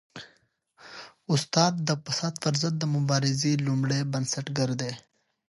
استاد د فساد پر ضد د مبارزې لومړی بنسټګر دی.